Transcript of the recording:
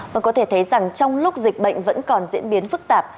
và có thể thấy rằng trong lúc dịch bệnh vẫn còn diễn biến phức tạp